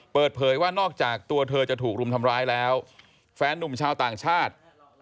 เปิดเผยว่านอกจากตัวเธอจะถูกรุมทำร้ายแล้วแฟนนุ่มชาวต่างชาติ